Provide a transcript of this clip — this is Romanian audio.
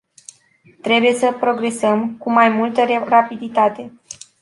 Trebuie să progresăm cu mai multă rapiditate.